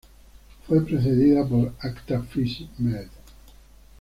Fue precedida por "Acta Phys.-Med.